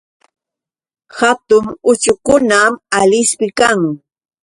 Hatun uchkukunam Alispi kan.